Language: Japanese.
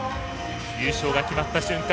優勝が決まった瞬間